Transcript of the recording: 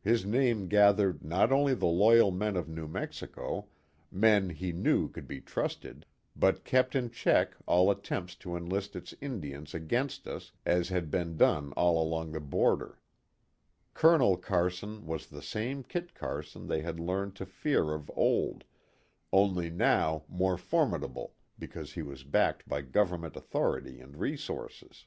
His name gathered not only the loyal men of New Mexico, men he knew could be trusted, but kept in check all attempts to enlist its Indians against us as had been done all along the border. Colonel Carson was the same Kit Carson they had learned to fear of old, only * Original owner of the famous Maxwell grant near Taos, N. M. KIT CARSON. 43 now more formidable because he was backed by Government authority and resources.